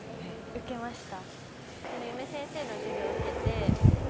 受けました。